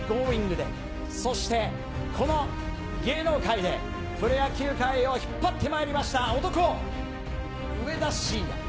で、そしてこの芸能界で、プロ野球界を引っ張ってまいりました男、上田晋也。